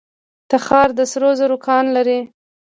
تخار د سرو زرو کان لري